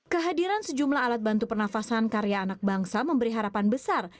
kehadiran sejumlah alat bantu pernafasan karya anak bangsa memberi harapan besar